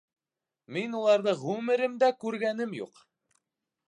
— Мин уларҙы ғүмеремдә күргәнем юҡ.